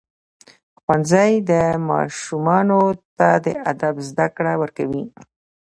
ښوونځی ماشومانو ته د ادب زده کړه ورکوي.